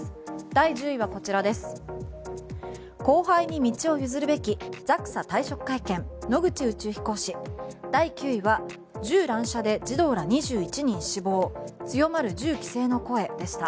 第１０位は、後輩に道を譲るべきＪＡＸＡ退職会見野口宇宙飛行士第９位は銃乱射で児童ら２１人死亡強まる銃規制の声でした。